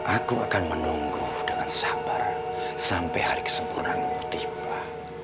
aku akan menunggu dengan sabar sampai hari kesemburanmu tiba